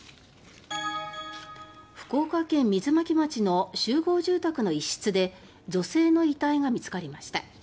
福岡県水巻町の集合住宅の一室で女性の遺体が見つかりました。